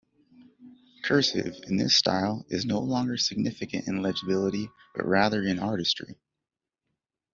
Cursive, in this style, is no longer significant in legibility but rather in artistry.